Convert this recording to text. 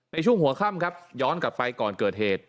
ในช่วงหัวค่ำครับย้อนกลับไปก่อนเกิดเหตุ